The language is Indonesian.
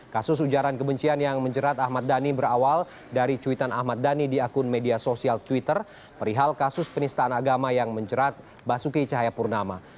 kasus ujaran kebencian yang menjerat ahmad dhani berawal dari cuitan ahmad dhani di akun media sosial twitter perihal kasus penistaan agama yang menjerat basuki cahayapurnama